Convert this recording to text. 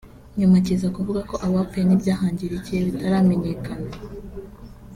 nyuma kiza kuvuga ko abapfuye n’ibyahangirikiye bitaramenyekana